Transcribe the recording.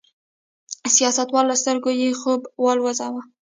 سیاستوالو له سترګو یې خوب والوځاوه.